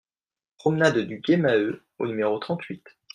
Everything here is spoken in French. Promenade du Gué Maheu au numéro trente-huit